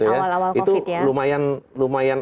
covid ya itu lumayan